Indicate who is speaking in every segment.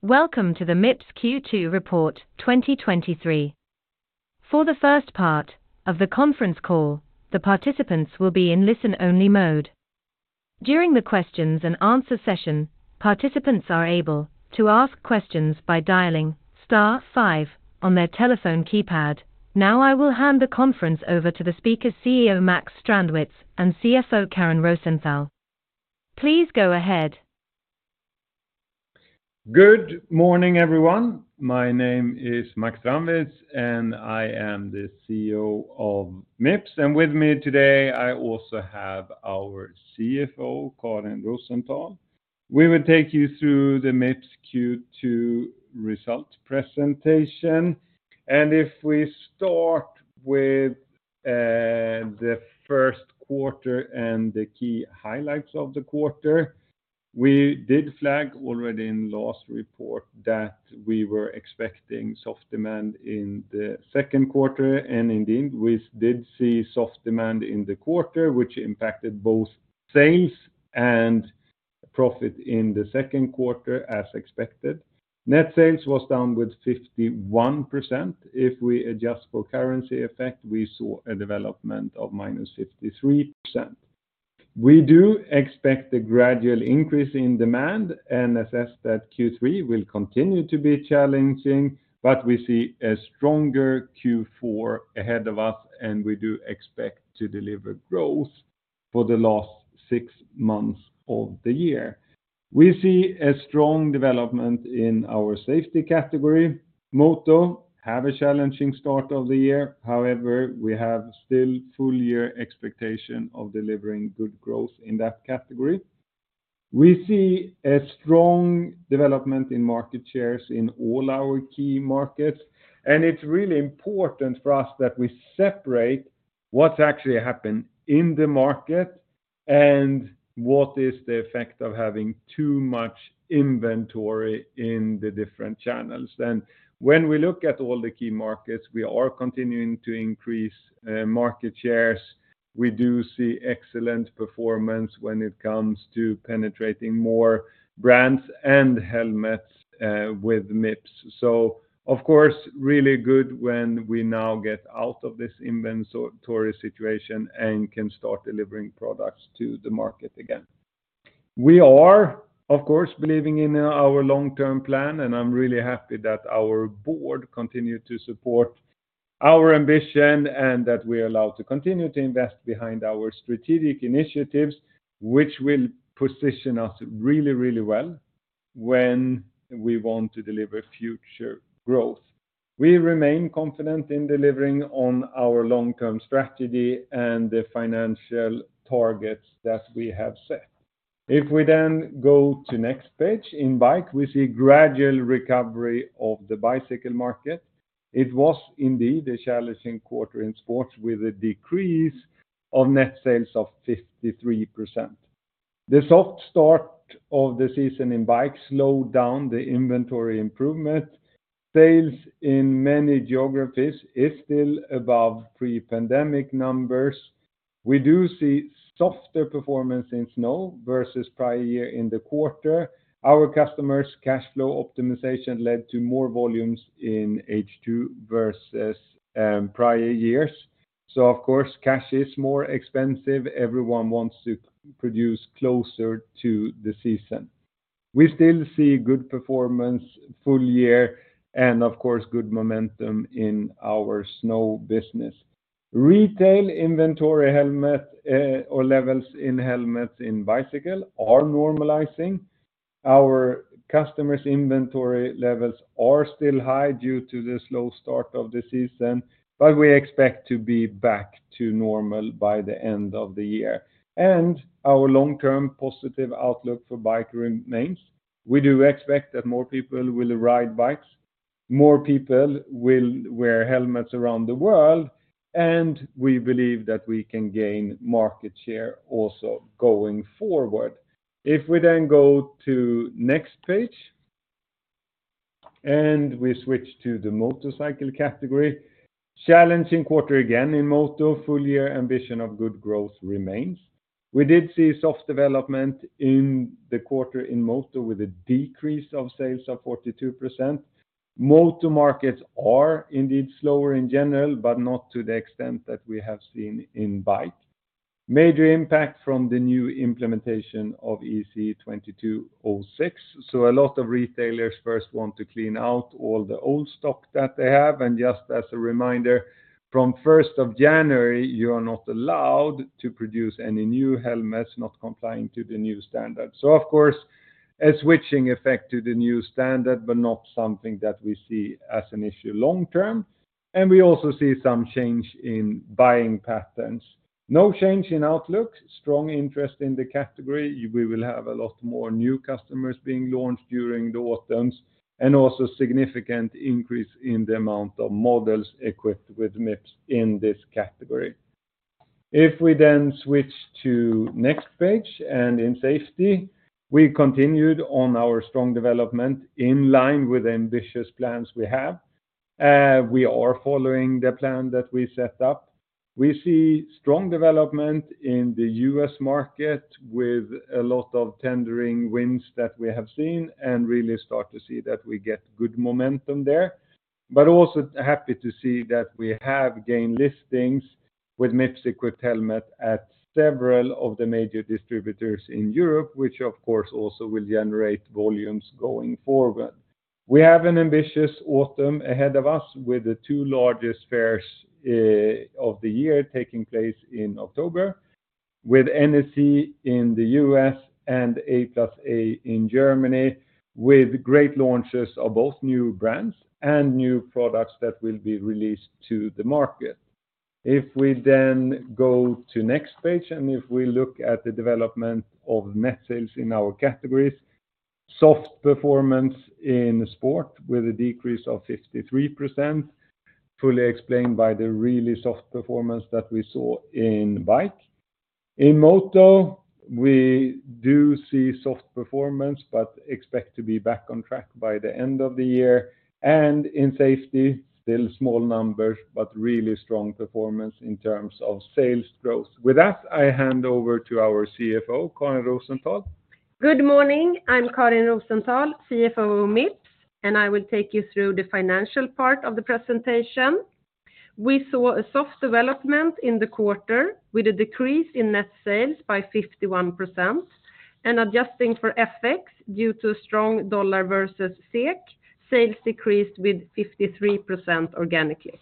Speaker 1: Welcome to the Mips Q2 Report 2023. For the first part of the conference call, the participants will be in listen-only mode. During the questions and answer session, participants are able to ask questions by dialing star five on their telephone keypad. Now, I will hand the conference over to the speakers, CEO Max Strandwitz and CFO Karin Rosenthal. Please go ahead.
Speaker 2: Good morning, everyone. My name is Max Strandwitz. I am the CEO of Mips. With me today, I also have our CFO, Karin Rosenthal. We will take you through the Mips Q2 result presentation. If we start with the first quarter and the key highlights of the quarter. We did flag already in last report that we were expecting soft demand in the second quarter. Indeed, we did see soft demand in the quarter, which impacted both sales and profit in the second quarter, as expected. Net sales was down with 51%. If we adjust for currency effect, we saw a development of -53%. We do expect a gradual increase in demand and assess that Q3 will continue to be challenging, but we see a stronger Q4 ahead of us, and we do expect to deliver growth for the last six months of the year. We see a strong development in our safety category. Moto have a challenging start of the year. However, we have still full year expectation of delivering good growth in that category. We see a strong development in market shares in all our key markets, and it's really important for us that we separate what actually happened in the market and what is the effect of having too much inventory in the different channels. When we look at all the key markets, we are continuing to increase market shares. We do see excellent performance when it comes to penetrating more brands and helmets with Mips. Of course, really good when we now get out of this inventory situation and can start delivering products to the market again. We are, of course, believing in our long-term plan, and I'm really happy that our board continued to support our ambition, and that we are allowed to continue to invest behind our strategic initiatives, which will position us really, really well when we want to deliver future growth. We remain confident in delivering on our long-term strategy and the financial targets that we have set. If we then go to next page. In Bike, we see gradual recovery of the bicycle market. It was indeed a challenging quarter in sports, with a decrease of net sales of 53%. The soft start of the season in Bike slowed down the inventory improvement. Sales in many geographies is still above pre-pandemic numbers. We do see softer performance in Snow versus prior year in the quarter. Our customers' cash flow optimization led to more volumes in H2 versus prior years. Of course, cash is more expensive. Everyone wants to produce closer to the season. We still see good performance full year and, of course, good momentum in our Snow business. Retail inventory, helmet, or levels in helmets in bicycle are normalizing. Our customers' inventory levels are still high due to the slow start of the season, but we expect to be back to normal by the end of the year, and our long-term positive outlook for Bike remains. We do expect that more people will ride bikes, more people will wear helmets around the world, and we believe that we can gain market share also going forward. We then go to next page, we switch to the Motorcycle category. Challenging quarter again in Moto. Full year ambition of good growth remains. We did see soft development in the quarter in Moto, with a decrease of sales of 42%. Moto markets are indeed slower in general, but not to the extent that we have seen in Bike. Major impact from the new implementation of ECE 22.06. A lot of retailers first want to clean out all the old stock that they have. Just as a reminder, from first of January, you are not allowed to produce any new helmets not complying to the new standard. Of course, a switching effect to the new standard, but not something that we see as an issue long term. We also see some change in buying patterns. No change in outlook. Strong interest in the category. We will have a lot more new customers being launched during the autumns, also significant increase in the amount of models equipped with Mips in this category. If we switch to next page, in Safety, we continued on our strong development in line with ambitious plans we have. We are following the plan that we set up. We see strong development in the U.S. market with a lot of tendering wins that we have seen, really start to see that we get good momentum there. Also happy to see that we have gained listings with Mips-equipped helmet at several of the major distributors in Europe, which of course, also will generate volumes going forward. We have an ambitious autumn ahead of us with the two largest fairs, of the year taking place in October, with NSC in the U.S. and A+A in Germany, with great launches of both new brands and new products that will be released to the market. We then go to next page. If we look at the development of net sales in our categories, soft performance in sport with a decrease of 53%, fully explained by the really soft performance that we saw in Bike. In moto, we do see soft performance, but expect to be back on track by the end of the year, and in safety, still small numbers, but really strong performance in terms of sales growth. With that, I hand over to our CFO, Karin Rosenthal.
Speaker 3: Good morning. I'm Karin Rosenthal, CFO, Mips. I will take you through the financial part of the presentation. We saw a soft development in the quarter with a decrease in net sales by 51%. Adjusting for FX due to strong dollar versus SEK, sales decreased with 53% organically.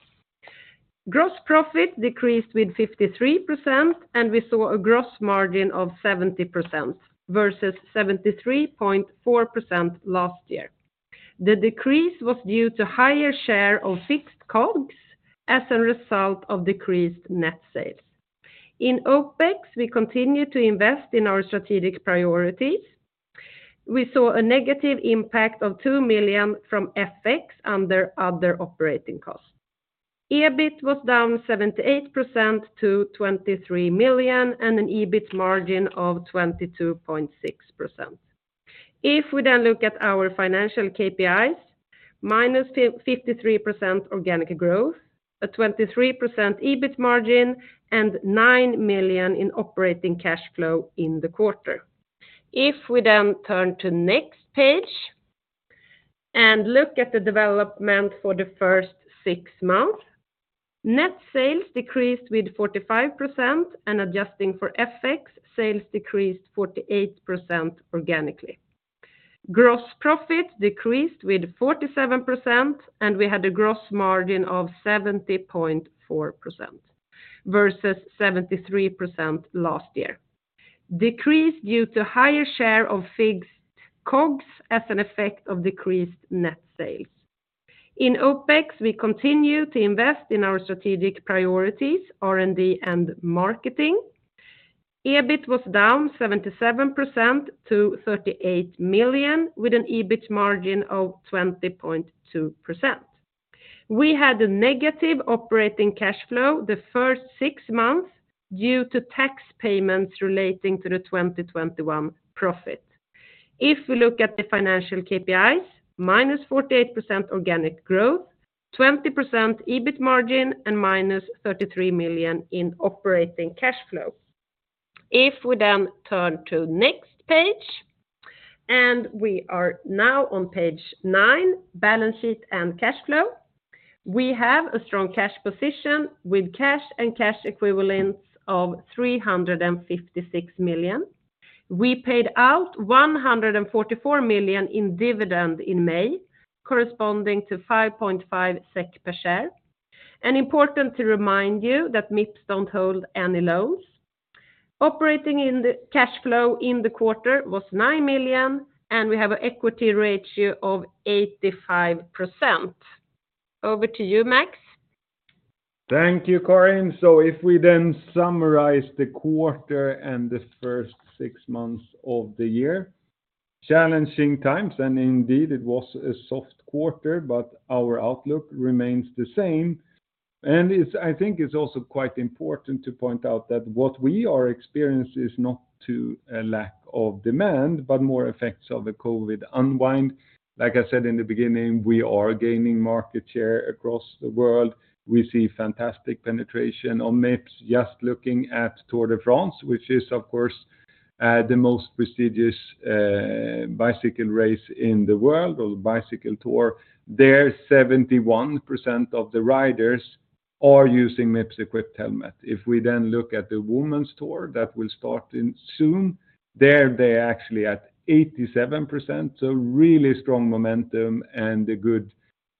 Speaker 3: Gross profit decreased with 53%. We saw a gross margin of 70% versus 73.4% last year. The decrease was due to higher share of fixed COGS as a result of decreased net sales. In OPEX, we continue to invest in our strategic priorities. We saw a negative impact of 2 million from FX under other operating costs. EBIT was down 78% to 23 million, an EBIT margin of 22.6%. We look at our financial KPIs, -53% organic growth, a 23% EBIT margin, and 9 million in operating cash flow in the quarter. We turn to next page and look at the development for the first six months, net sales decreased with 45%. Adjusting for FX, sales decreased 48% organically. Gross profit decreased with 47%. We had a gross margin of 70.4% versus 73% last year. Decrease due to higher share of fixed COGS as an effect of decreased net sales. In OPEX, we continue to invest in our strategic priorities, R&D and marketing. EBIT was down 77% to 38 million, with an EBIT margin of 20.2%. We had a negative operating cash flow the first six months due to tax payments relating to the 2021 profit. We look at the financial KPIs, -48% organic growth, 20% EBIT margin, and -33 million in operating cash flow. We turn to next page. We are now on page 9, balance sheet and cash flow. We have a strong cash position with cash and cash equivalents of 356 million. We paid out 144 million in dividend in May, corresponding to 5.5 SEK per share. Important to remind you that Mips don't hold any loans. Cash flow in the quarter was 9 million. We have an equity ratio of 85%. Over to you, Max.
Speaker 2: Thank you, Karin. If we then summarize the quarter and the first six months of the year, challenging times, and indeed, it was a soft quarter, but our outlook remains the same. I think it's also quite important to point out that what we are experiencing is not to a lack of demand, but more effects of the COVID unwind. Like I said in the beginning, we are gaining market share across the world. We see fantastic penetration on Mips, just looking at Tour de France, which is, of course, the most prestigious bicycle race in the world, or the bicycle tour. There, 71% of the riders are using Mips-equipped helmet. We then look at the women's tour, that will start in soon. There, they're actually at 87%, so really strong momentum and a good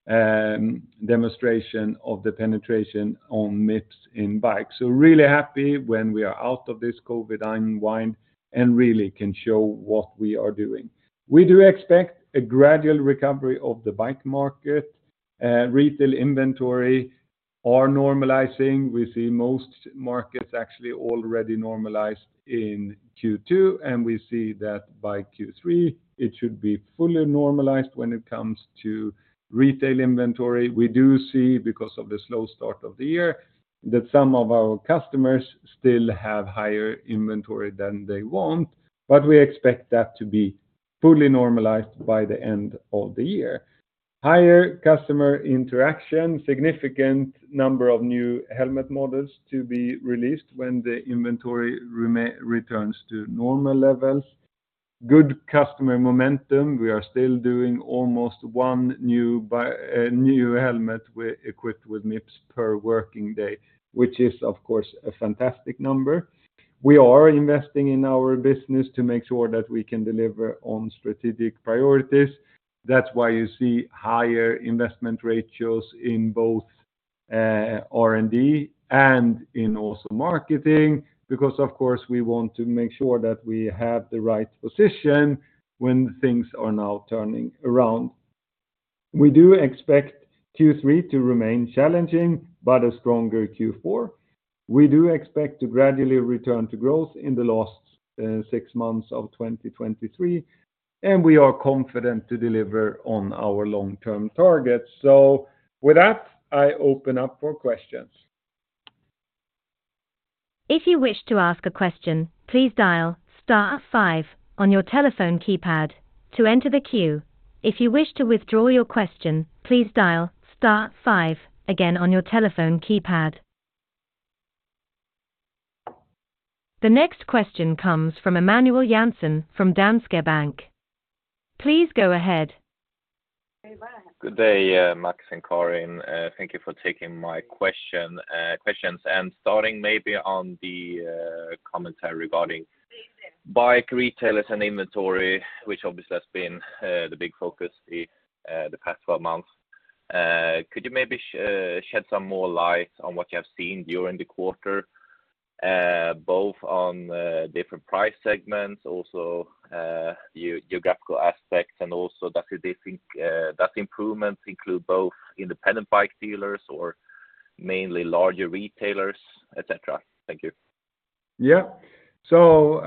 Speaker 2: demonstration of the penetration on Mips in Bike. Really happy when we are out of this COVID unwind and really can show what we are doing. We do expect a gradual recovery of the Bike market. Retail inventory are normalizing. We see most markets actually already normalized in Q2, and we see that by Q3, it should be fully normalized when it comes to retail inventory. We do see, because of the slow start of the year, that some of our customers still have higher inventory than they want, but we expect that to be fully normalized by the end of the year. Higher customer interaction, significant number of new helmet models to be released when the inventory returns to normal levels. Good customer momentum. We are still doing almost 1 new helmet equipped with Mips per working day, which is, of course, a fantastic number. We are investing in our business to make sure that we can deliver on strategic priorities. That's why you see higher investment ratios in both R&D and in also marketing, because, of course, we want to make sure that we have the right position when things are now turning around. We do expect Q3 to remain challenging, but a stronger Q4. We do expect to gradually return to growth in the last six months of 2023, and we are confident to deliver on our long-term targets. With that, I open up for questions.
Speaker 1: If you wish to ask a question, please dial star five on your telephone keypad to enter the queue. If you wish to withdraw your question, please dial star five again on your telephone keypad. The next question comes from Emmanuel Rosset from Danske Bank. Please go ahead.
Speaker 4: Good day, Max and Karin. Thank you for taking my question, questions. Starting maybe on the commentary regarding bike retailers and inventory, which obviously has been the big focus the past 12 months. Could you maybe shed some more light on what you have seen during the quarter, both on different price segments, also, geographical aspects, and also do you think that improvements include both independent bike dealers or mainly larger retailers, et cetera? Thank you.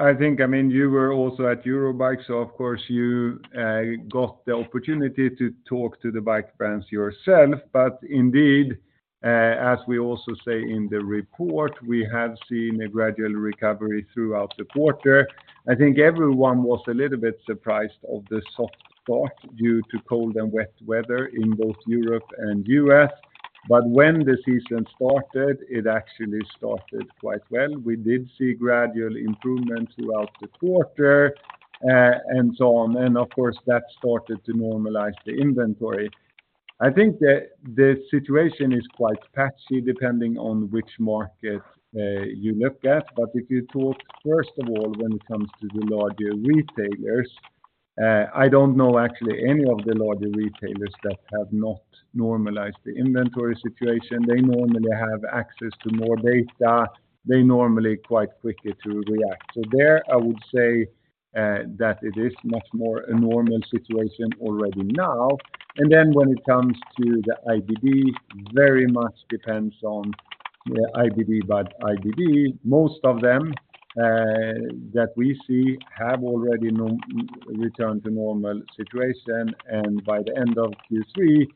Speaker 2: I think, I mean, you were also at Eurobike, so of course you got the opportunity to talk to the Bike brands yourself. Indeed, as we also say in the report, we have seen a gradual recovery throughout the quarter. I think everyone was a little bit surprised of the soft spot due to cold and wet weather in both Europe and U.S. When the season started, it actually started quite well. We did see gradual improvement throughout the quarter, and so on. Of course, that started to normalize the inventory. I think the situation is quite patchy, depending on which market you look at. If you talk, first of all, when it comes to the larger retailers, I don't know actually any of the larger retailers that have not normalized the inventory situation. They normally have access to more data. They normally quite quickly to react. There, I would say, that it is much more a normal situation already now. When it comes to the IBD, very much depends on IBD by IBD. Most of them, that we see have already returned to normal situation, and by the end of Q3,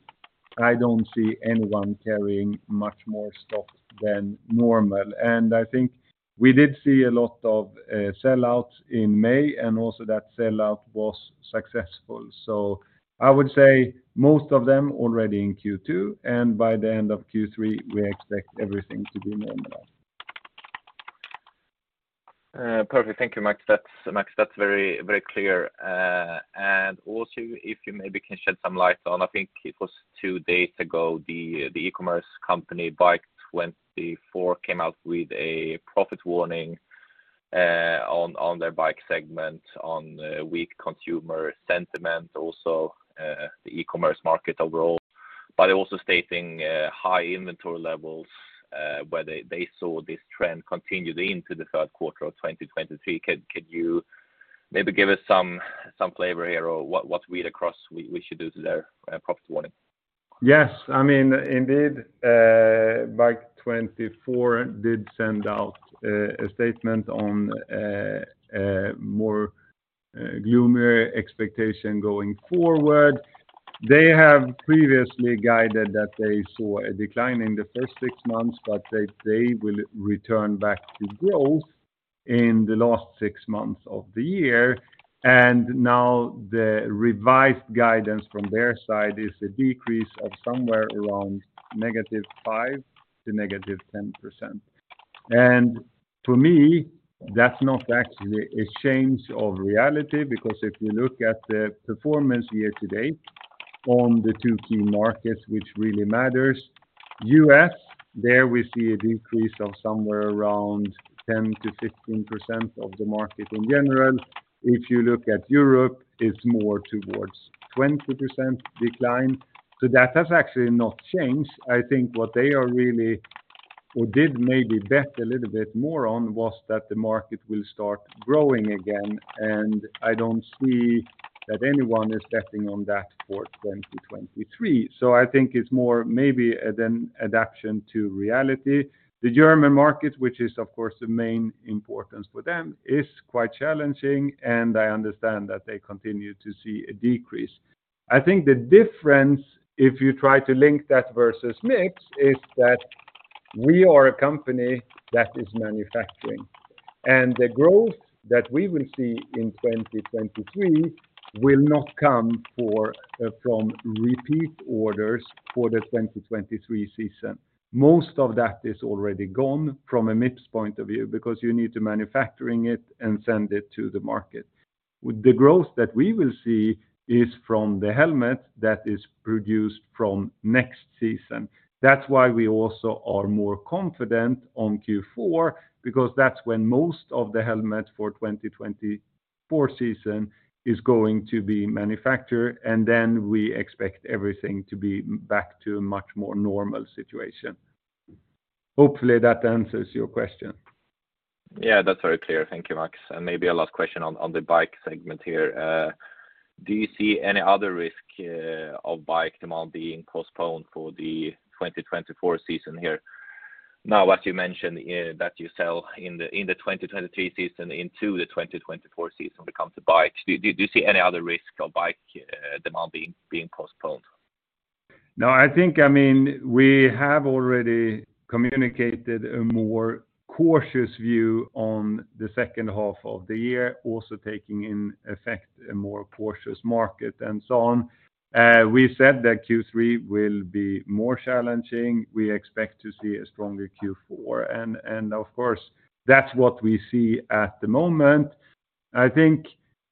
Speaker 2: I don't see anyone carrying much more stock than normal. I think we did see a lot of sell-outs in May, and also that sell-out was successful. I would say most of them already in Q2, and by the end of Q3, we expect everything to be normalized.
Speaker 4: Perfect. Thank you, Max. That's, Max, that's very clear. Also, if you maybe can shed some light on, I think it was 2 days ago, the e-commerce company, Bike24, came out with a profit warning on their Bike segment on weak consumer sentiment, also, the e-commerce market overall, but also stating high inventory levels where they saw this trend continued into the third quarter of 2023. Could you maybe give us some flavor here or what read across we should do to their profit warning?
Speaker 2: I mean, indeed, Bike24 did send out a statement on a more gloomier expectation going forward. They have previously guided that they saw a decline in the first six months, but they will return back to growth in the last six months of the year. Now the revised guidance from their side is a decrease of somewhere around -5% to -10%. For me, that's not actually a change of reality, because if you look at the performance year-to-date on the two key markets, which really matters, U.S., there we see a decrease of somewhere around 10%-15% of the market in general. If you look at Europe, it's more towards 20% decline. That has actually not changed. I think what they are really or did maybe bet a little bit more on was that the market will start growing again. I don't see that anyone is betting on that for 2023. I think it's more maybe an adaptation to reality. The German market, which is, of course, the main importance for them, is quite challenging. I understand that they continue to see a decrease. I think the difference, if you try to link that versus Mips, is that we are a company that is manufacturing. The growth that we will see in 2023 will not come for from repeat orders for the 2023 season. Most of that is already gone from a Mips point of view, because you need to manufacturing it and send it to the market. The growth that we will see is from the helmet that is produced from next season. That's why we also are more confident on Q4, because that's when most of the helmets for 2024 season is going to be manufactured. We expect everything to be back to a much more normal situation. Hopefully, that answers your question.
Speaker 4: Yeah, that's very clear. Thank you, Max. Maybe a last question on the bike segment here. Do you see any other risk of bike demand being postponed for the 2024 season here? Now, as you mentioned, that you sell in the 2023 season into the 2024 season when it comes to bikes. Do you see any other risk of bike demand being postponed?
Speaker 2: No, I think, I mean, we have already communicated a more cautious view on the second half of the year, also taking in effect a more cautious market and so on. We said that Q3 will be more challenging. We expect to see a stronger Q4, and of course, that's what we see at the moment. I think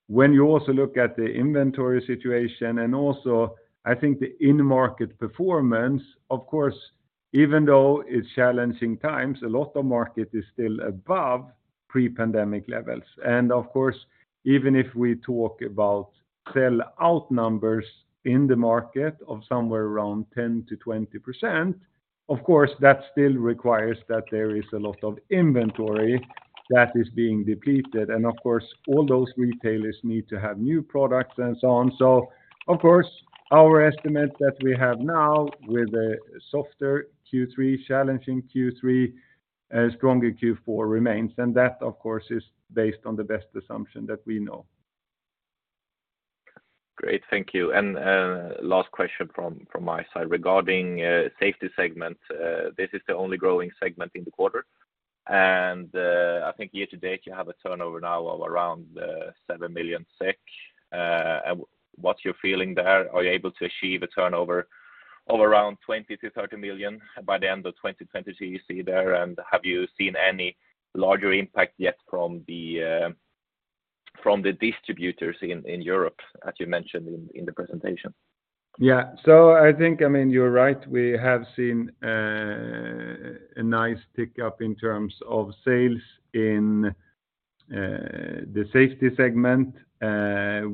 Speaker 2: when you also look at the inventory situation and also I think the end market performance, of course, even though it's challenging times, a lot of market is still above pre-pandemic levels. Even if we talk about sell-out numbers in the market of somewhere around 10%-20%, of course, that still requires that there is a lot of inventory that is being depleted. Of course, all those retailers need to have new products and so on. Of course, our estimate that we have now with a softer Q3, challenging Q3, stronger Q4 remains, and that, of course, is based on the best assumption that we know.
Speaker 4: Great, thank you. Last question from my side. Regarding safety segment, this is the only growing segment in the quarter. I think year-to-date, you have a turnover now of around 7 million. What you're feeling there? Are you able to achieve a turnover of around 20 million-30 million by the end of 2023 there, and have you seen any larger impact yet from the distributors in Europe, as you mentioned in the presentation?
Speaker 2: I think, I mean, you're right. We have seen a nice tick-up in terms of sales in the safety segment.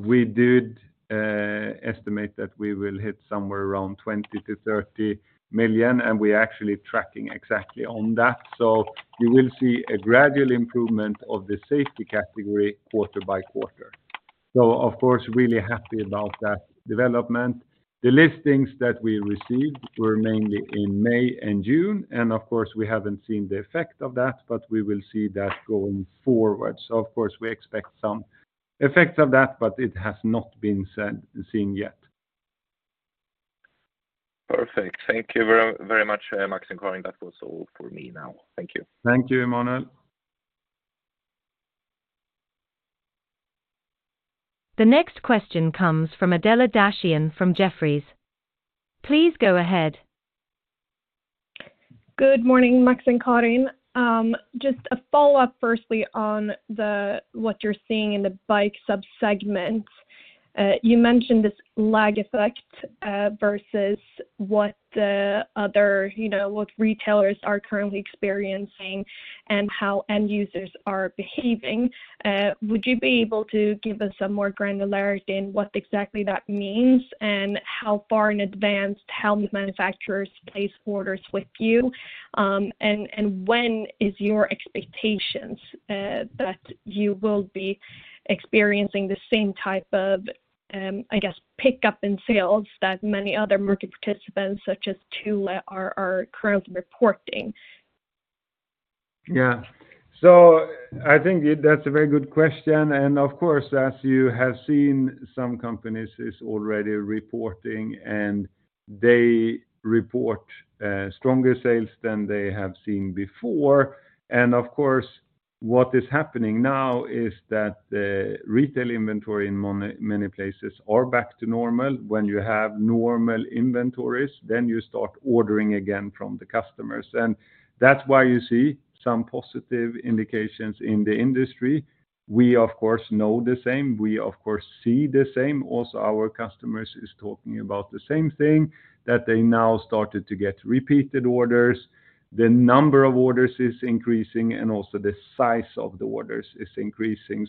Speaker 2: We did estimate that we will hit somewhere around 20 million-30 million, and we're actually tracking exactly on that. You will see a gradual improvement of the safety category quarter by quarter. Of course, really happy about that development. The listings that we received were mainly in May and June, and of course, we haven't seen the effect of that, but we will see that going forward. Of course, we expect some effects of that, but it has not been seen yet.
Speaker 4: Perfect. Thank you very, very much, Max and Karin. That was all for me now. Thank you.
Speaker 2: Thank you, Emmanuel.
Speaker 1: The next question comes from Adela Dashian from Jefferies. Please go ahead.
Speaker 5: Good morning, Max and Karin. Just a follow-up, firstly, on the what you're seeing in the Bike sub-segments. You mentioned this lag effect versus what the other, you know, what retailers are currently experiencing and how end users are behaving. How far in advance helmet manufacturers place orders with you, and when is your expectations that you will be experiencing the same type of, I guess, pick up in sales that many other market participants, such as Thule are currently reporting?
Speaker 2: Yeah. I think that's a very good question, and of course, as you have seen, some companies is already reporting, and they report stronger sales than they have seen before. Of course, what is happening now is that the retail inventory in many places are back to normal. When you have normal inventories, then you start ordering again from the customers, and that's why you see some positive indications in the industry. We, of course, know the same. We, of course, see the same. Also, our customers is talking about the same thing, that they now started to get repeated orders. The number of orders is increasing, and also the size of the orders is increasing.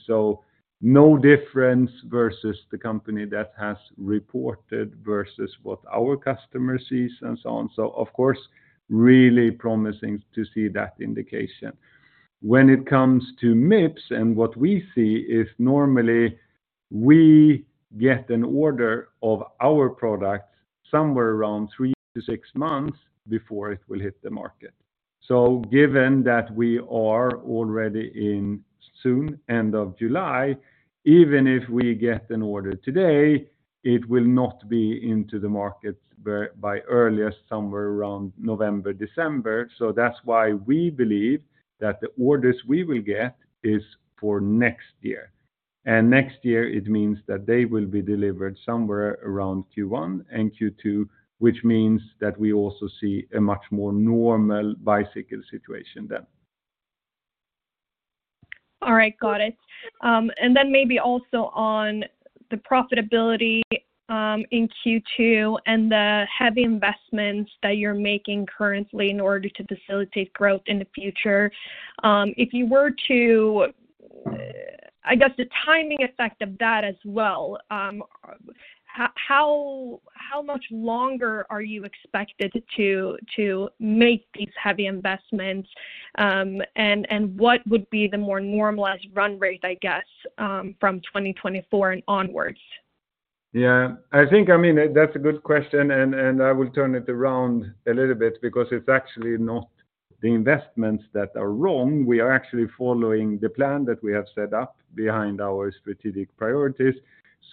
Speaker 2: No difference versus the company that has reported versus what our customer sees and so on. Of course, really promising to see that indication. When it comes to Mips, what we see is we get an order of our products somewhere around three-six months before it will hit the market. Given that we are already in soon, end of July, even if we get an order today, it will not be into the market by earliest, somewhere around November, December. That's why we believe that the orders we will get is for next year. Next year, it means that they will be delivered somewhere around Q1 and Q2, which means that we also see a much more normal bicycle situation then.
Speaker 5: All right, got it. Then maybe also on the profitability in Q2 and the heavy investments that you're making currently in order to facilitate growth in the future. If you were to, I guess, the timing effect of that as well, how much longer are you expected to make these heavy investments? What would be the more normalized run rate, I guess, from 2024 and onwards?
Speaker 2: I think, I mean, that's a good question, and I will turn it around a little bit because it's actually not the investments that are wrong. We are actually following the plan that we have set up behind our strategic priorities.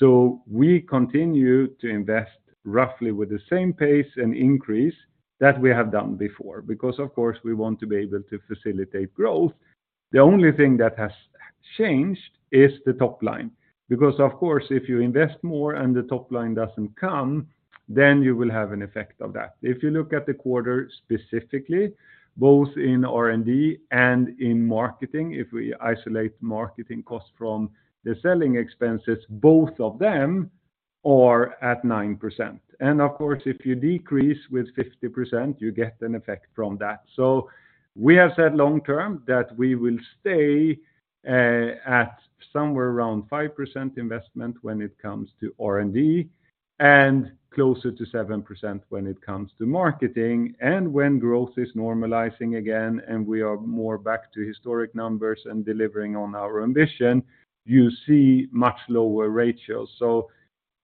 Speaker 2: We continue to invest roughly with the same pace and increase that we have done before, because, of course, we want to be able to facilitate growth. The only thing that has changed is the top line, because, of course, if you invest more and the top line doesn't come, then you will have an effect of that. If you look at the quarter, specifically, both in R&D and in marketing, if we isolate marketing costs from the selling expenses, both of them are at 9%. Of course, if you decrease with 50%, you get an effect from that. We have said long term, that we will stay at somewhere around 5% investment when it comes to R&D, and closer to 7% when it comes to marketing. When growth is normalizing again, and we are more back to historic numbers and delivering on our ambition, you see much lower ratios.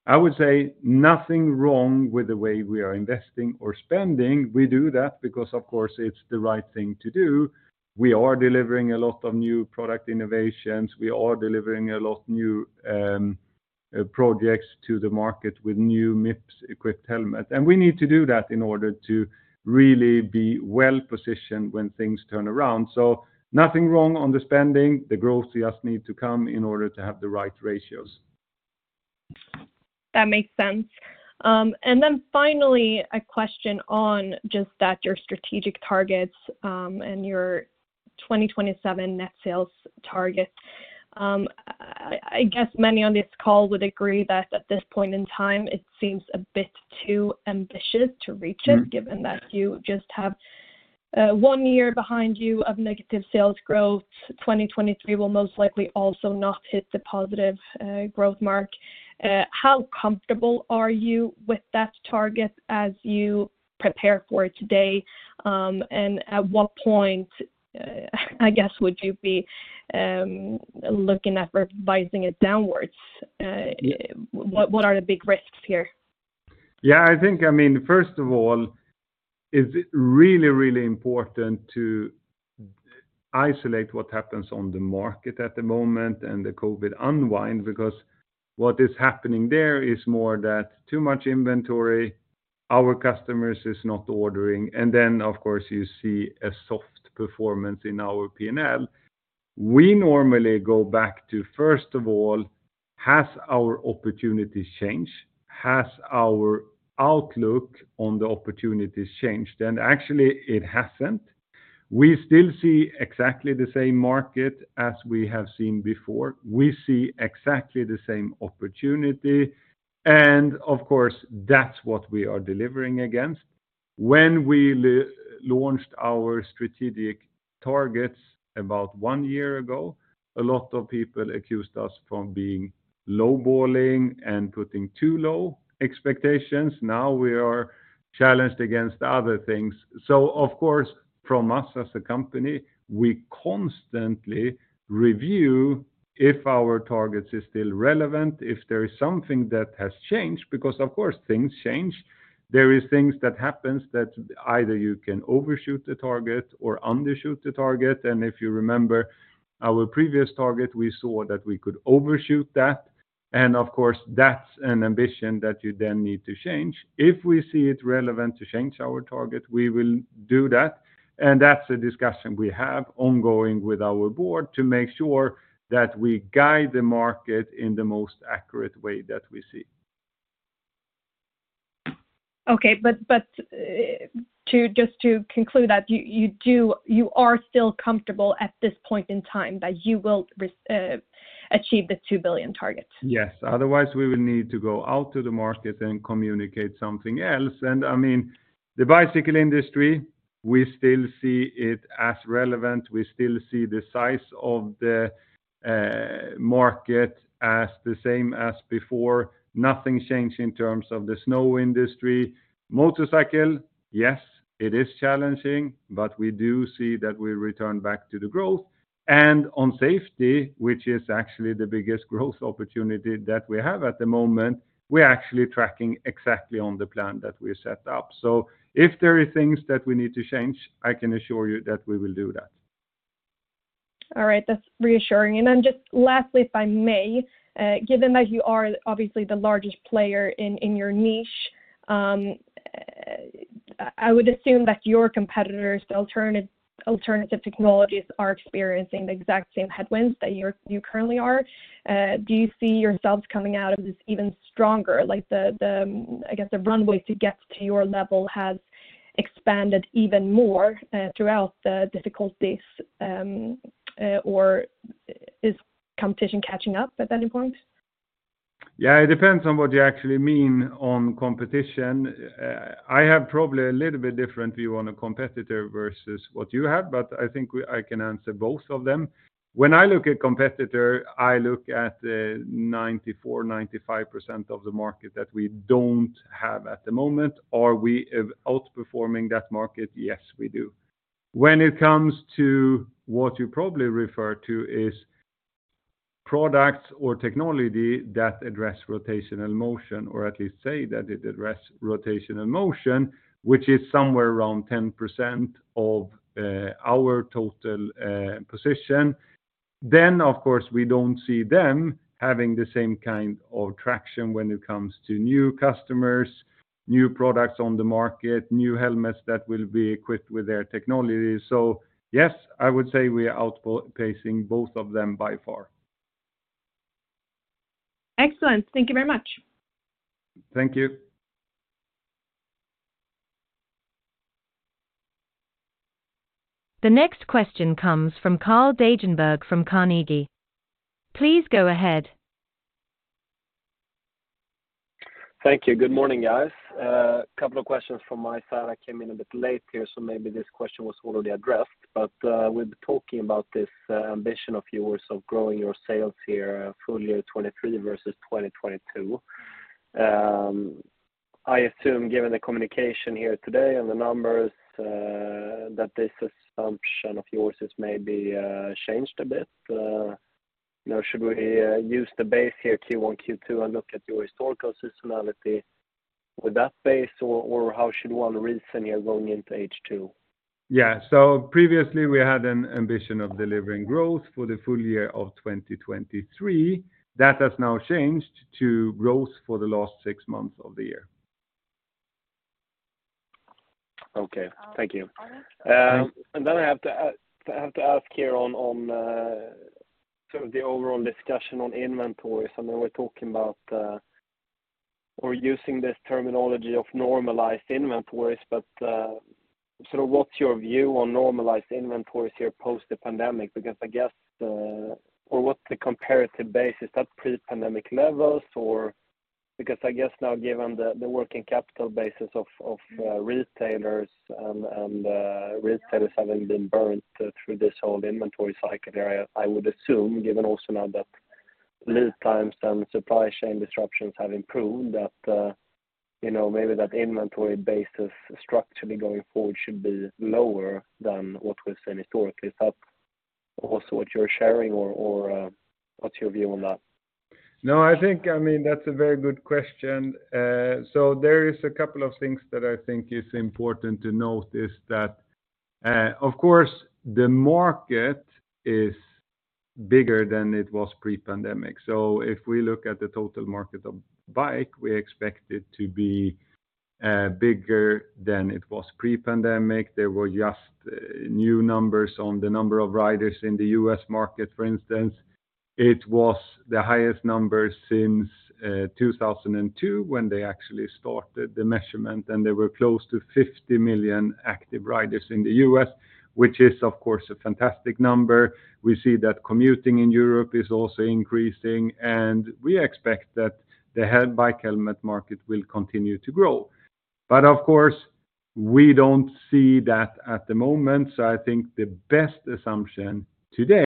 Speaker 2: I would say nothing wrong with the way we are investing or spending. We do that because, of course, it's the right thing to do. We are delivering a lot of new product innovations. We are delivering a lot new projects to the market with new Mips-equipped helmets, and we need to do that in order to really be well-positioned when things turn around. Nothing wrong on the spending. The growth just need to come in order to have the right ratios.
Speaker 5: That makes sense. Finally, a question on just that your strategic targets, and your 2027 net sales targets. I guess many on this call would agree that at this point in time, it seems a bit too ambitious to reach it.
Speaker 2: Mm...
Speaker 5: given that you just have, 1 year behind you of negative sales growth. 2023 will most likely also not hit the positive, growth max. How comfortable are you with that target as you prepare for it today? At what point, I guess, would you be, looking at revising it downwards?
Speaker 2: Yeah
Speaker 5: what are the big risks here?
Speaker 2: Yeah, I think, I mean, first of all, it's really, really important to isolate what happens on the market at the moment and the COVID unwind, because what is happening there is more that too much inventory, our customers is not ordering, and then, of course, you see a soft performance in our P&L. We normally go back to, first of all, has our opportunities changed? Has our outlook on the opportunities changed? Actually, it hasn't. We still see exactly the same market as we have seen before. We see exactly the same opportunity, and of course, that's what we are delivering against. When we launched our strategic targets about one year ago, a lot of people accused us from being low balling and putting too low expectations. Now we are challenged against other things. Of course, from us as a company, we constantly review if our targets are still relevant, if there is something that has changed, because, of course, things change. There are things that happen that either you can overshoot the target or undershoot the target, and if you remember our previous target, we saw that we could overshoot that, and of course, that's an ambition that you then need to change. If we see it relevant to change our target, we will do that, and that's a discussion we have ongoing with our board to make sure that we guide the market in the most accurate way that we see.
Speaker 5: Okay, but, to just to conclude that, you are still comfortable at this point in time that you will achieve the 2 billion targets?
Speaker 2: Yes. Otherwise, we will need to go out to the market and communicate something else. I mean, the bicycle industry, we still see it as relevant. We still see the size of the market as the same as before. Nothing changed in terms of the snow industry. Motorcycle, yes, it is challenging, but we do see that we return back to the growth. On safety, which is actually the biggest growth opportunity that we have at the moment, we're actually tracking exactly on the plan that we set up. If there are things that we need to change, I can assure you that we will do that.
Speaker 5: All right. That's reassuring. Then just lastly, if I may, given that you are obviously the largest player in your niche, I would assume that your competitors, alternative technologies are experiencing the exact same headwinds that you currently are. Do you see yourselves coming out of this even stronger? Like, the, I guess, the runway to get to your level has expanded even more throughout the difficulties, or is competition catching up at any point?
Speaker 2: Yeah, it depends on what you actually mean on competition. I have probably a little bit different view on a competitor versus what you have, but I think I can answer both of them. When I look at competitor, I look at 94%-95% of the market that we don't have at the moment. Are we outperforming that market? Yes, we do. When it comes to what you probably refer to is products or technology that address rotational motion, or at least say that it address rotational motion, which is somewhere around 10% of our total position, of course, we don't see them having the same kind of traction when it comes to new customers, new products on the market, new helmets that will be equipped with their technology. Yes, I would say we are outpacing both of them by far.
Speaker 5: Excellent. Thank you very much.
Speaker 2: Thank you.
Speaker 1: The next question comes from Karl Hedberg from Carnegie. Please go ahead.
Speaker 6: Thank you. Good morning, guys. A couple of questions from my side. I came in a bit late here, so maybe this question was already addressed. With talking about this ambition of yours, of growing your sales here, full year 2023 versus 2022, I assume, given the communication here today and the numbers, that this assumption of yours is maybe changed a bit. You know, should we use the base here, Q1, Q2, and look at your historical seasonality with that base, or how should one reason going into H2?
Speaker 2: Yeah. Previously, we had an ambition of delivering growth for the full year of 2023. That has now changed to growth for the last six months of the year.
Speaker 6: Okay. Thank you.
Speaker 2: Thanks.
Speaker 6: I have to ask here on, sort of the overall discussion on inventories. I know we're talking about, or using this terminology of normalized inventories, but, sort of what's your view on normalized inventories here post the pandemic? I guess, or what's the comparative basis, that pre-pandemic levels or... I guess now, given the working capital basis of retailers, and retailers having been burnt through this whole inventory cycle there, I would assume, given also now that lead times and supply chain disruptions have improved, that, you know, maybe that inventory basis structurally going forward should be lower than what we've seen historically. Is that also what you're sharing, or what's your view on that?
Speaker 2: No, I think, I mean, that's a very good question. There is a couple of things that I think is important to notice, that, of course, the market is bigger than it was pre-pandemic. If we look at the total market of Bike, we expect it to be bigger than it was pre-pandemic. There were just new numbers on the number of riders in the U.S. market, for instance. It was the highest number since 2002, when they actually started the measurement, and they were close to 50 million active riders in the U.S., which is, of course, a fantastic number. We see that commuting in Europe is also increasing, and we expect that the head Bike helmet market will continue to grow. Of course, we don't see that at the moment. I think the best assumption today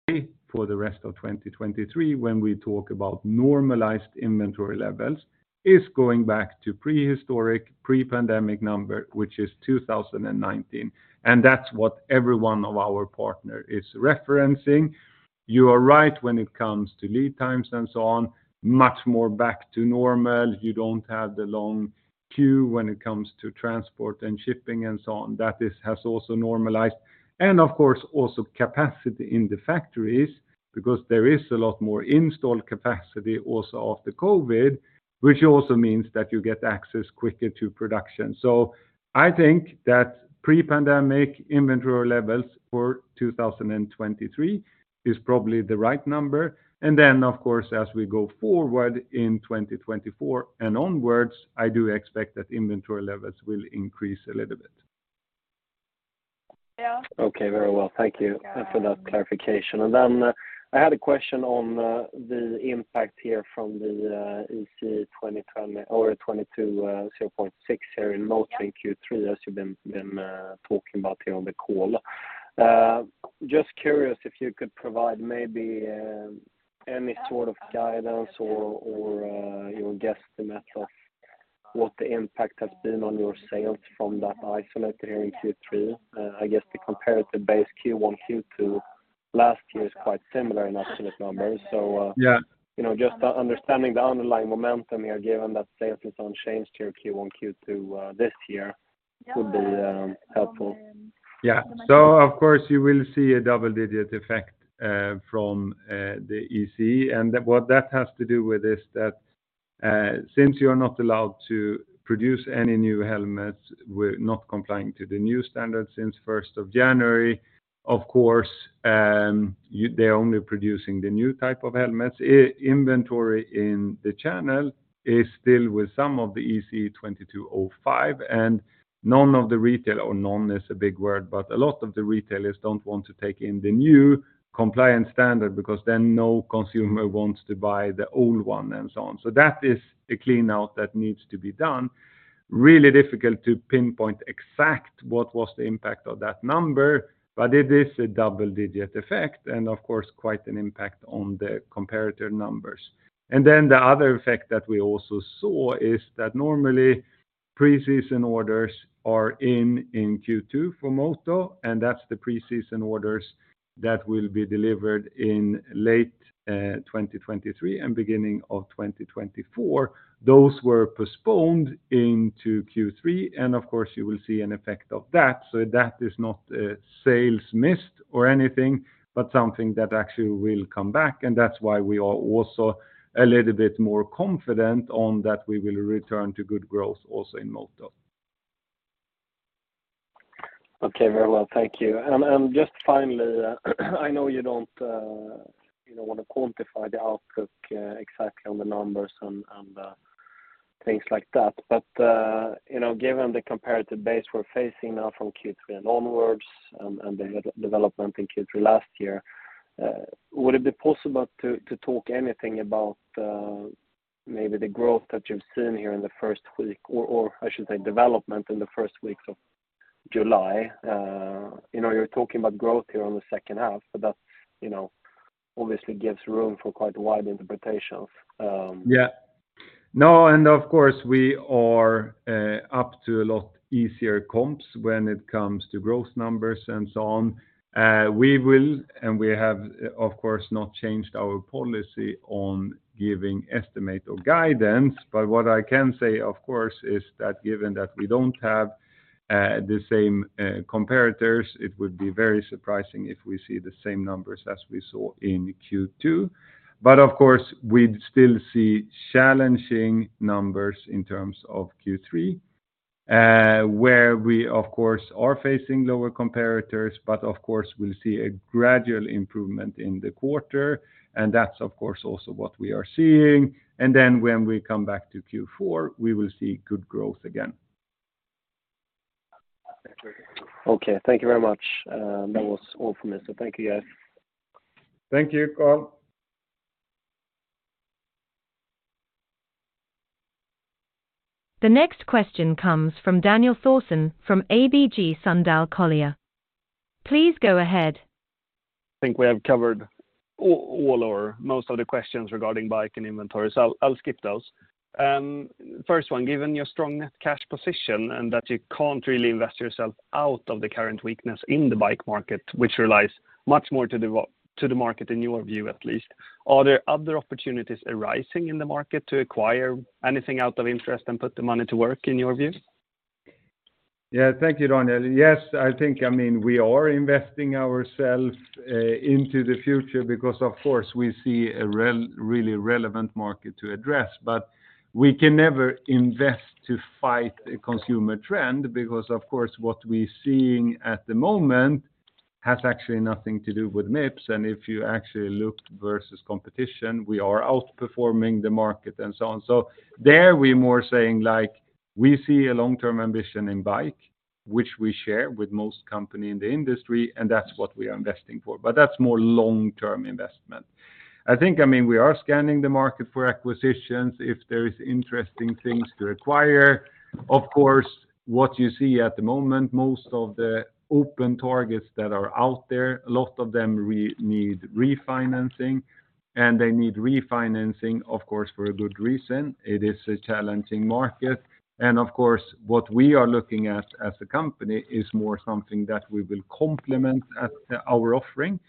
Speaker 2: for the rest of 2023, when we talk about normalized inventory levels, is going back to prehistoric, pre-pandemic number, which is 2019, and that's what every one of our partner is referencing. You are right when it comes to lead times and so on, much more back to normal. You don't have the long queue when it comes to transport and shipping and so on. That has also normalized. Of course, also capacity in the factories, because there is a lot more installed capacity also after COVID, which also means that you get access quicker to production. I think that pre-pandemic inventory levels for 2023 is probably the right number. Of course, as we go forward in 2024 and onwards, I do expect that inventory levels will increase a little bit.
Speaker 5: Yeah.
Speaker 6: Okay. Very well. Thank you for that clarification. I had a question on the impact here from the ECE 22.06 here in Motorsport Q3, as you've been talking about here on the call. Just curious if you could provide maybe any sort of guidance or your guess, what the impact has been on your sales from that isolate here in Q3? I guess the comparative base Q1, Q2 last year is quite similar in absolute numbers.
Speaker 2: Yeah.
Speaker 6: You know, just understanding the underlying momentum here, given that sales has unchanged here Q1, Q2 this year would be helpful.
Speaker 2: Of course, you will see a double-digit effect from the ECE. What that has to do with is that since you are not allowed to produce any new helmets, we're not complying to the new standard since 1st of January. Of course, they're only producing the new type of helmets. Inventory in the channel is still with some of the ECE 22.05, none of the retail or none is a big word, but a lot of the retailers don't want to take in the new compliance standard because then no consumer wants to buy the old one and so on. That is a clean out that needs to be done. Really difficult to pinpoint exact what was the impact of that number, it is a double-digit effect, of course, quite an impact on the comparator numbers. Then the other effect that we also saw is that normally, preseason orders are in Q2 for Motorsport, and that's the preseason orders that will be delivered in late 2023 and beginning of 2024. Those were postponed into Q3, and of course, you will see an effect of that. That is not a sales missed or anything, but something that actually will come back, and that's why we are also a little bit more confident on that we will return to good growth also in Motorsport.
Speaker 6: Okay, very well, thank you. Just finally, I know you don't, you know, want to quantify the outlook, exactly on the numbers and, things like that. You know, given the comparative base we're facing now from Q3 and onwards, and the development in Q3 last year, would it be possible to talk anything about, maybe the growth that you've seen here in the first week, or I should say, development in the first weeks of July? You know, you're talking about growth here on the second half, but that, you know, obviously gives room for quite wide interpretations.
Speaker 2: Yeah. No, and of course, we are up to a lot easier comps when it comes to growth numbers and so on. We will, and we have, of course, not changed our policy on giving estimate or guidance. What I can say, of course, is that given that we don't have the same comparators, it would be very surprising if we see the same numbers as we saw in Q2. Of course, we'd still see challenging numbers in terms of Q3, where we of course, are facing lower comparators, but of course, we'll see a gradual improvement in the quarter, and that's, of course, also what we are seeing. When we come back to Q4, we will see good growth again.
Speaker 6: Okay, thank you very much. That was all from me. Thank you, guys.
Speaker 2: Thank you, Carl.
Speaker 1: The next question comes from Daniel Thorsson, from ABG Sundal Collier. Please go ahead.
Speaker 7: I think we have covered all or most of the questions regarding bike and inventory. I'll skip those. First one, given your strong net cash position and that you can't really invest yourself out of the current weakness in the bike market, which relies much more to the market, in your view, at least, are there other opportunities arising in the market to acquire anything out of interest and put the money to work, in your view?
Speaker 2: Yeah, thank you, Daniel. Yes, I think, I mean, we are investing ourselves into the future because, of course, we see a really relevant market to address. We can never invest to fight a consumer trend, because, of course, what we're seeing at the moment has actually nothing to do with Mips. If you actually looked versus competition, we are outperforming the market and so on. There we're more saying, like, we see a long-term ambition in Bike, which we share with most company in the industry, and that's what we are investing for. That's more long-term investment. I think, I mean, we are scanning the market for acquisitions, if there is interesting things to acquire. Of course, what you see at the moment, most of the open targets that are out there, a lot of them need refinancing, and they need refinancing, of course, for a good reason. It is a challenging market. Of course, what we are looking at as a company is more something that we will complement at our offering.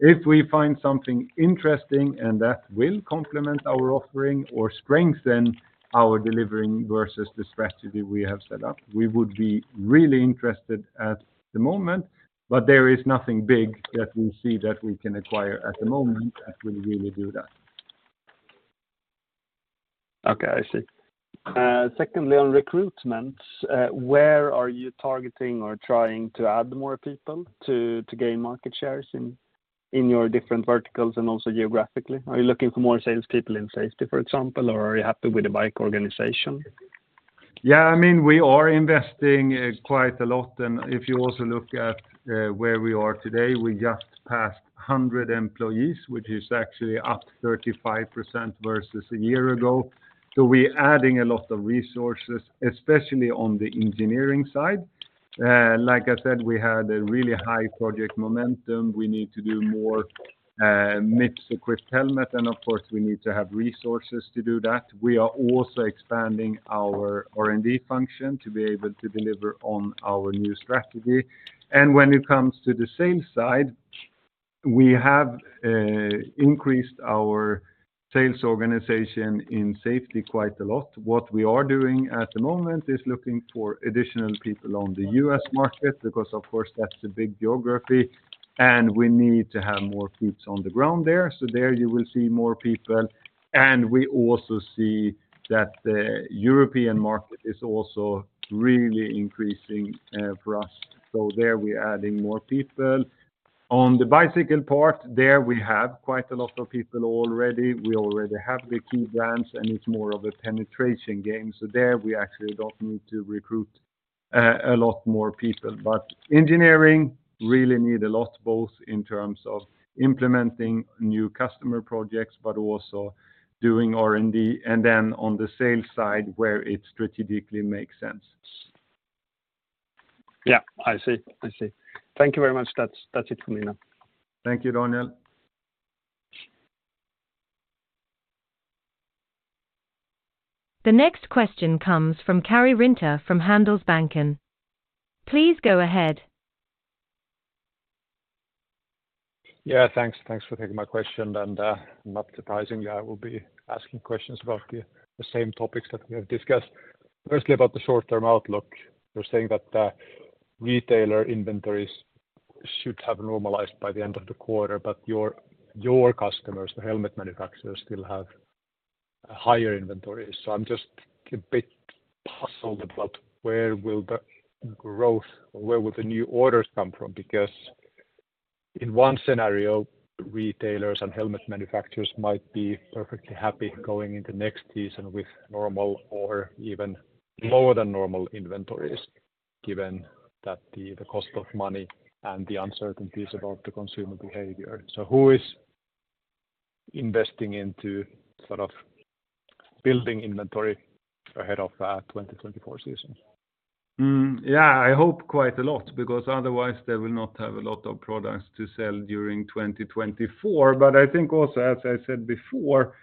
Speaker 2: If we find something interesting and that will complement our offering or strengthen our delivering versus the strategy we have set up, we would be really interested at the moment, there is nothing big that we see that we can acquire at the moment, that will really do that.
Speaker 7: Okay, I see. Secondly, on recruitment, where are you targeting or trying to add more people to gain market shares in your different verticals and also geographically? Are you looking for more salespeople in safety, for example, or are you happy with the Bike organization?
Speaker 2: Yeah, I mean, we are investing quite a lot. If you also look at where we are today, we just passed 100 employees, which is actually up 35% versus a year ago. We're adding a lot of resources, especially on the engineering side. Like I said, we had a really high project momentum. We need to do more Mips-equipped helmet, and of course, we need to have resources to do that. We are also expanding our R&D function to be able to deliver on our new strategy. When it comes to the sales side, we have increased our sales organization in safety quite a lot. What we are doing at the moment is looking for additional people on the U.S. market, because, of course, that's a big geography, and we need to have more boots on the ground there. There you will see more people, and we also see that the European market is also really increasing for us. There we are adding more people. On the bicycle part, there we have quite a lot of people already. We already have the key brands, and it's more of a penetration game. There, we actually don't need to recruit a lot more people. Engineering really need a lot, both in terms of implementing new customer projects, but also doing R&D, and then on the sales side, where it strategically makes sense.
Speaker 7: Yeah, I see. I see. Thank you very much. That's it for me now.
Speaker 2: Thank you, Daniel.
Speaker 1: The next question comes from Karri Rinta from Handelsbanken. Please go ahead.
Speaker 8: Thanks. Thanks for taking my question. Not surprisingly, I will be asking questions about the same topics that we have discussed. Firstly, about the short-term outlook. You're saying that the retailer inventories should have normalized by the end of the quarter. Your customers, the helmet manufacturers, still have a higher inventory. I'm just a bit puzzled about where will the growth or where will the new orders come from? In one scenario, retailers and helmet manufacturers might be perfectly happy going into next season with normal or even lower than normal inventories, given that the cost of money and the uncertainties about the consumer behavior. Who is investing into sort of building inventory ahead of 2024 season?
Speaker 2: Yeah, I hope quite a lot, because otherwise they will not have a lot of products to sell during 2024. I think also, as I said before,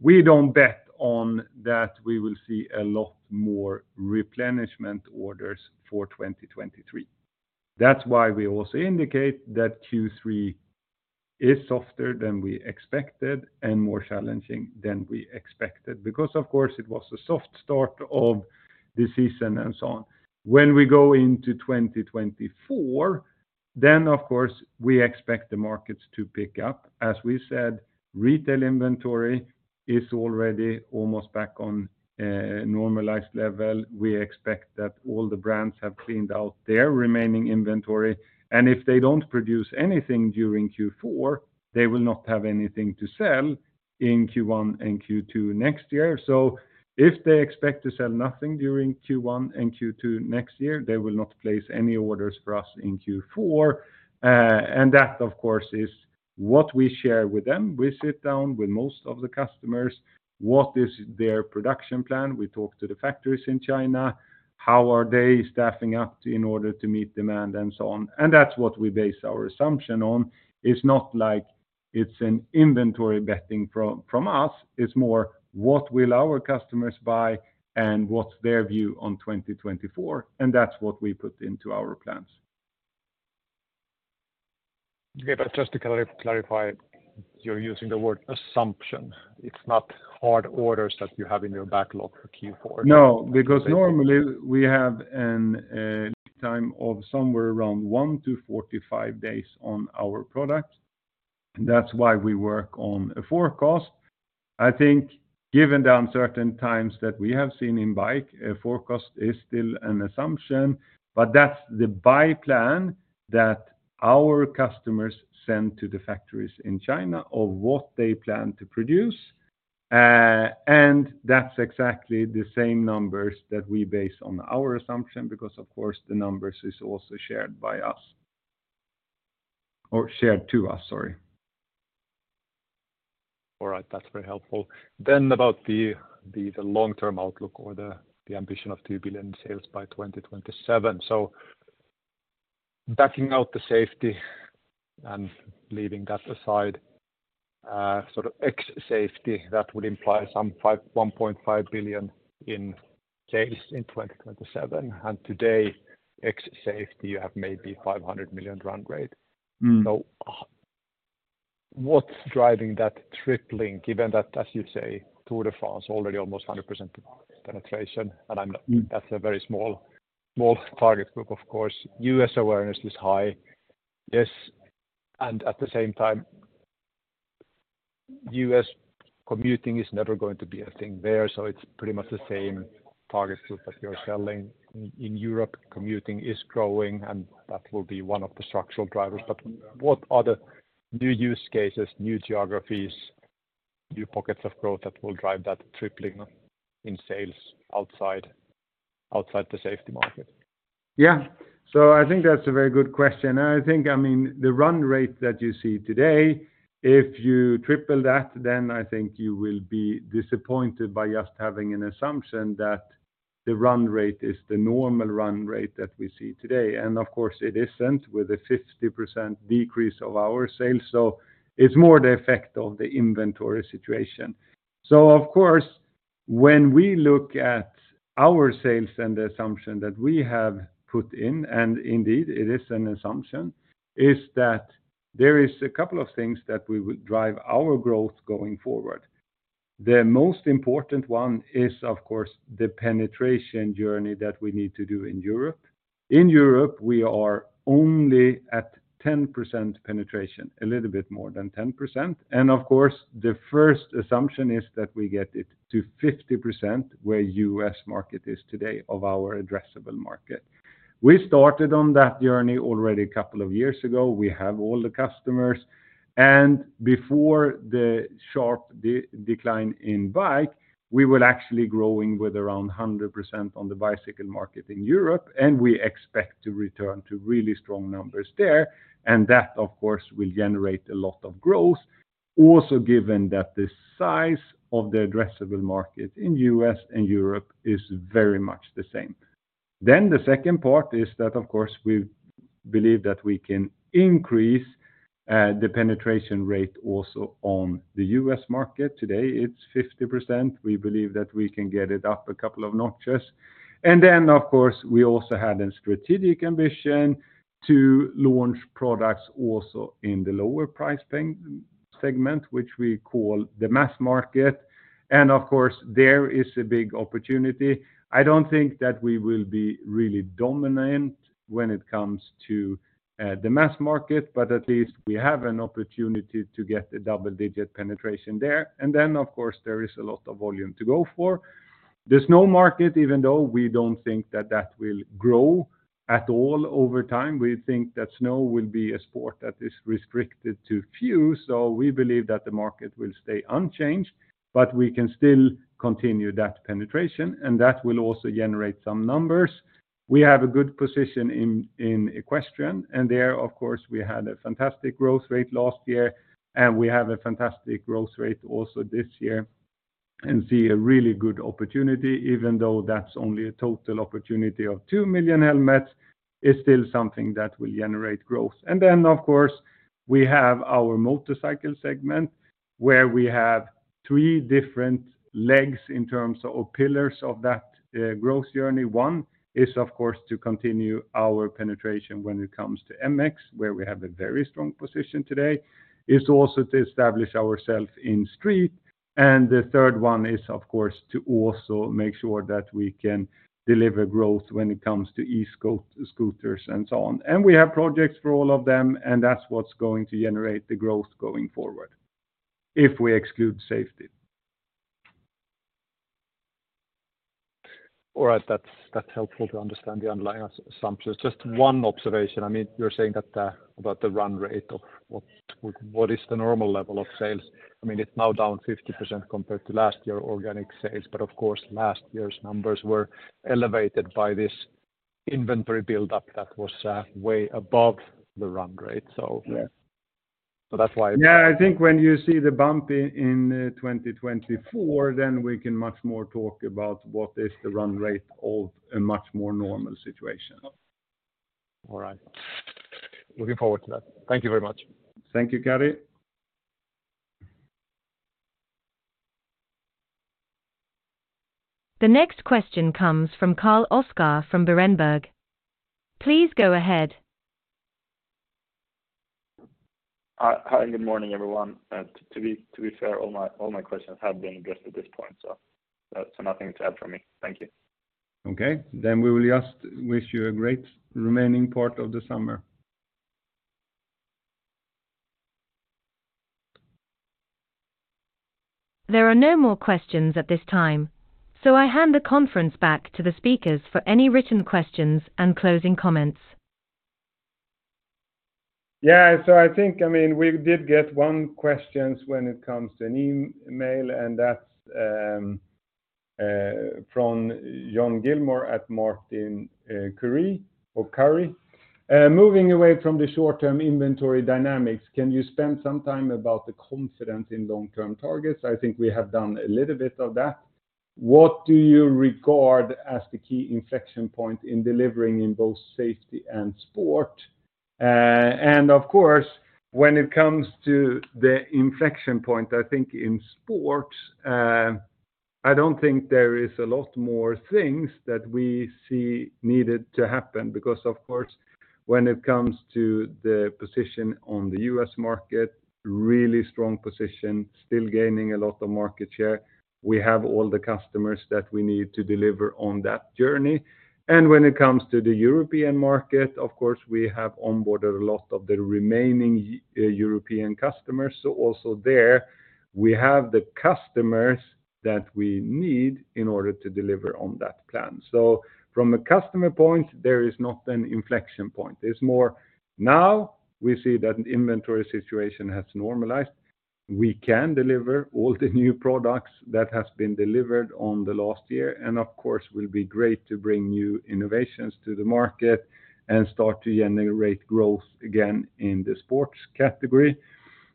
Speaker 2: we don't bet on that we will see a lot more replenishment orders for 2023. That's why we also indicate that Q3 is softer than we expected and more challenging than we expected. Of course, it was a soft start of the season and so on. When we go into 2024, then, of course, we expect the markets to pick up. As we said, retail inventory is already almost back on normalized level. We expect that all the brands have cleaned out their remaining inventory, and if they don't produce anything during Q4, they will not have anything to sell in Q1 and Q2 next year. If they expect to sell nothing during Q1 and Q2 next year, they will not place any orders for us in Q4. That, of course, is what we share with them. We sit down with most of the customers, what is their production plan? We talk to the factories in China, how are they staffing up in order to meet demand, and so on. That's what we base our assumption on. It's not like it's an inventory betting from us, it's more what will our customers buy and what's their view on 2024, and that's what we put into our plans.
Speaker 8: Okay, just to clarify, you're using the word assumption. It's not hard orders that you have in your backlog for Q4?
Speaker 2: No, because normally we have a time of somewhere around 1-45 days on our product. That's why we work on a forecast. I think, given the uncertain times that we have seen in Bike, a forecast is still an assumption, but that's the buy plan that our customers send to the factories in China of what they plan to produce. That's exactly the same numbers that we base on our assumption, because, of course, the numbers is also shared by us or shared to us, sorry.
Speaker 8: All right. That's very helpful. About the long-term outlook or the ambition of 2 billion sales by 2027. Backing out the safety and leaving that aside, sort of ex-safety, that would imply some 1.5 billion in sales in 2027, and today, ex-safety, you have maybe 500 million run rate.
Speaker 2: Mm.
Speaker 8: What's driving that tripling, given that, as you say, Tour de France, already almost 100% penetration, that's a very small target group, of course. U.S. awareness is high, yes, and at the same time, U.S. commuting is never going to be a thing there, so it's pretty much the same target group that you're selling. In Europe, commuting is growing, and that will be one of the structural drivers. What are the new use cases, new geographies, new pockets of growth that will drive that tripling in sales outside the safety market?
Speaker 2: Yeah. I think that's a very good question, and I think, I mean, the run rate that you see today, if you triple that, then I think you will be disappointed by just having an assumption that the run rate is the normal run rate that we see today. Of course, it isn't, with a 50% decrease of our sales, so it's more the effect of the inventory situation. Of course, when we look at our sales and the assumption that we have put in, and indeed it is an assumption, is that there is a couple of things that we would drive our growth going forward. The most important one is, of course, the penetration journey that we need to do in Europe. In Europe, we are only at 10% penetration, a little bit more than 10%. Of course, the first assumption is that we get it to 50%, where U.S. market is today of our addressable market. We started on that journey already a couple of years ago. We have all the customers, before the sharp decline in bike, we were actually growing with around 100% on the bicycle market in Europe, and we expect to return to really strong numbers there. That, of course, will generate a lot of growth. Also, given that the size of the addressable market in U.S. and Europe is very much the same. The second part is that, of course, we believe that we can increase the penetration rate also on the U.S. market. Today, it's 50%. We believe that we can get it up a couple of notches. Of course, we also had a strategic ambition to launch products also in the lower price segment, which we call the mass market. Of course, there is a big opportunity. I don't think that we will be really dominant when it comes to the mass market, but at least we have an opportunity to get a double-digit penetration there. Of course, there is a lot of volume to go for. The Snow market, even though we don't think that will grow at all over time, we think that Snow will be a sport that is restricted to few. We believe that the market will stay unchanged, but we can still continue that penetration, and that will also generate some numbers. We have a good position in equestrian, and there, of course, we had a fantastic growth rate last year, and we have a fantastic growth rate also this year, and see a really good opportunity, even though that's only a total opportunity of 2 million helmets, is still something that will generate growth. Then, of course, we have our motorcycle segment, where we have three different legs in terms of, or pillars of that growth journey. One, is, of course, to continue our penetration when it comes to MX, where we have a very strong position today. It's also to establish ourselves in street. The third one is, of course, to also make sure that we can deliver growth when it comes to e-scooters and so on. We have projects for all of them, and that's what's going to generate the growth going forward, if we exclude safety.
Speaker 8: All right. That's helpful to understand the underlying assumptions. Just one observation, I mean, you're saying that the run rate of what is the normal level of sales? I mean, it's now down 50% compared to last year, organic sales, of course, last year's numbers were elevated by this inventory buildup that was way above the run rate.
Speaker 2: Yes.
Speaker 8: That's why.
Speaker 2: Yeah, I think when you see the bump in 2024, we can much more talk about what is the run rate of a much more normal situation.
Speaker 8: All right. Looking forward to that. Thank you very much.
Speaker 2: Thank you, Gary.
Speaker 1: The next question comes from Carl Oscar from Berenberg. Please go ahead.
Speaker 9: Hi, good morning, everyone. To be fair, all my questions have been addressed at this point. Nothing to add from me. Thank you.
Speaker 2: Okay. We will just wish you a great remaining part of the summer.
Speaker 1: There are no more questions at this time, so I hand the conference back to the speakers for any written questions and closing comments.
Speaker 2: I think we did get one questions when it comes to an email, and that's from John Gilmour at Martin Currie or Currie. "Moving away from the short-term inventory dynamics, can you spend some time about the confidence in long-term targets?" I think we have done a little bit of that. "What do you regard as the key inflection point in delivering in both safety and sport?" Of course, when it comes to the inflection point, I think in sport, I don't think there is a lot more things that we see needed to happen because, of course, when it comes to the position on the U.S. market, really strong position, still gaining a lot of market share. We have all the customers that we need to deliver on that journey. When it comes to the European market, of course, we have onboarded a lot of the remaining European customers. Also there, we have the customers that we need in order to deliver on that plan. From a customer point, there is not an inflection point. There's more, now we see that an inventory situation has normalized. We can deliver all the new products that has been delivered on the last year, and of course, will be great to bring new innovations to the market and start to generate growth again in the sports category.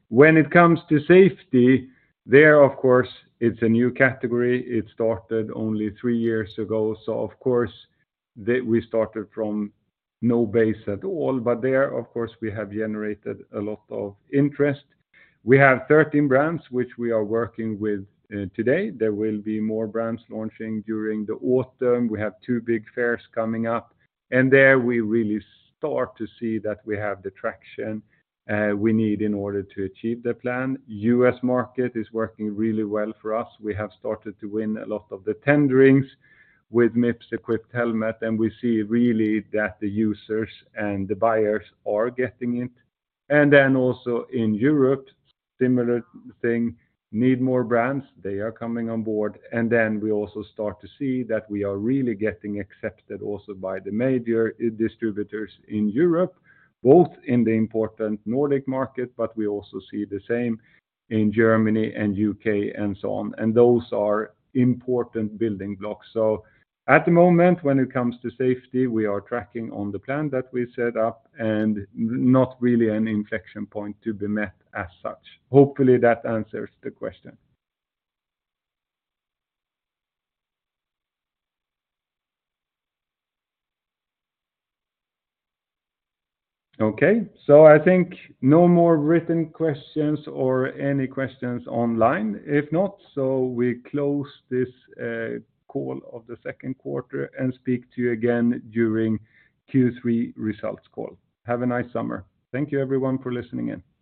Speaker 2: When it comes to safety, there, of course, it's a new category. It started only three years ago. Of course, we started from no base at all, but there, of course, we have generated a lot of interest. We have 13 brands which we are working with today. There will be more brands launching during the autumn. We have two big fairs coming up. There we really start to see that we have the traction, we need in order to achieve the plan. U.S. market is working really well for us. We have started to win a lot of the tenderings with Mips-equipped helmet, and we see really that the users and the buyers are getting it. Also in Europe, similar thing. Need more brands. They are coming on board. We also start to see that we are really getting accepted also by the major distributors in Europe, both in the important Nordic market, but we also see the same in Germany and U.K. and so on. Those are important building blocks. At the moment, when it comes to safety, we are tracking on the plan that we set up and not really an inflection point to be met as such. Hopefully, that answers the question. Okay, I think no more written questions or any questions online. If not, we close this call of the second quarter and speak to you again during Q3 results call. Have a nice summer. Thank you, everyone, for listening in.